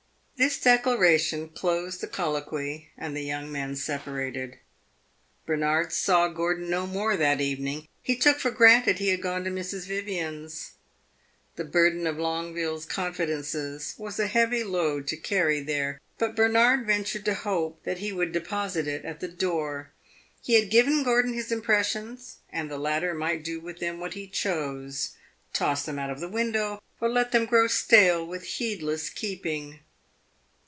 This declaration closed the colloquy, and the young men separated. Bernard saw Gordon no more that evening; he took for granted he had gone to Mrs. Vivian's. The burden of Longueville's confidences was a heavy load to carry there, but Bernard ventured to hope that he would deposit it at the door. He had given Gordon his impressions, and the latter might do with them what he chose toss them out of the window, or let them grow stale with heedless keeping.